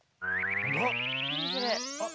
あっ！